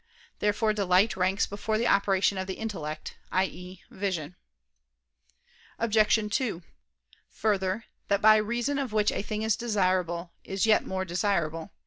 Therefore delight ranks before the operation of the intellect, i.e. vision. Obj. 2: Further, that by reason of which a thing is desirable, is yet more desirable.